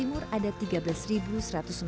ini meningkatkan kualitas rumahnya